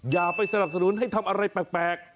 อย่าไปสนับสนุนให้ทำอะไรแปลก